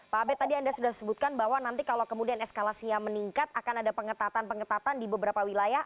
pak abed tadi anda sudah sebutkan bahwa nanti kalau kemudian eskalasinya meningkat akan ada pengetatan pengetatan di beberapa wilayah